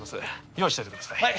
用意しといてくださいはい！